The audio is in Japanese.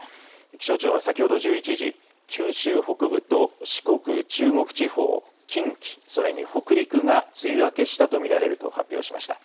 気象庁は先ほど１１時九州北部と四国、中国地方近畿それに北陸が梅雨明けしたと見られると発表しました。